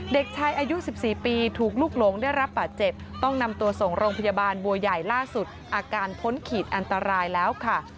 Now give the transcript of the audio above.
เด็กชายอายุ๑๔ปีถูกลูกหลงได้รับบาดเจ็บต้องนำตัวส่งโรงพยาบาลบัวใหญ่ล่าสุดอาการพ้นขีดอันตรายแล้วค่ะ